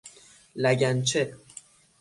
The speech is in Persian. لگن چه